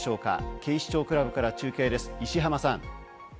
警視庁クラブから中継です、石浜さん。